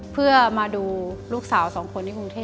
เพื่อมาดูลูกสาว๒คน